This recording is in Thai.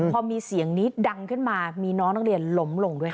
พอมีเสียงนี้ดังขึ้นมามีน้องนักเรียนล้มลงด้วยค่ะ